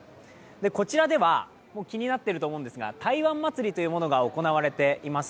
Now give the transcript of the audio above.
こちらでは、気になっていると思うんですが台湾祭というものが行われています。